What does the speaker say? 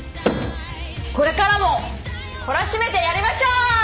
これからも懲らしめてやりましょう！